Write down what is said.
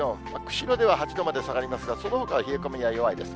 釧路では８度まで下がりますが、そのほかは冷え込みは弱いです。